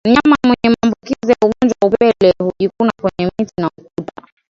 Mnyama mwenye maambukizi ya ugonjwa wa upele hujikuna kwenye miti na ukuta